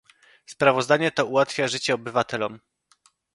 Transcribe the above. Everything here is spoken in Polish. Sprawozdanie to ułatwia życie obywatelom